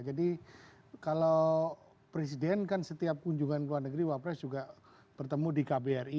jadi kalau presiden kan setiap kunjungan ke luar negeri wapres juga bertemu di kbri